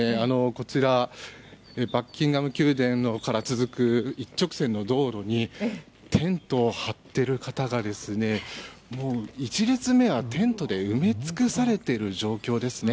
こちらバッキンガム宮殿から続く一直線の道路にテントを張っている方がもう１列目はテントで埋め尽くされている状況ですね。